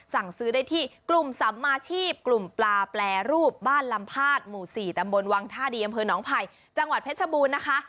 สั่งซื้อได้ที่กลุ่มสัมมาชีพกลุ่มปลาแปรรูปบ้านลำพาดหมู่๔ตำบลวังท่าดีอำเภอหนองไผ่จังหวัดเพชรบูรณ์นะคะ